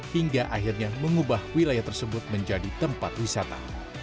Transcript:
hingga akhirnya mengubah wilayah tersebut menjadi tempat wisata